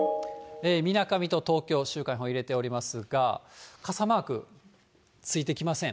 みなかみと東京、週間予報入れておりますが、傘マークついてきません。